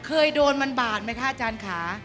เคยโดนมันบาดไหมคะอาจารย์ค่ะ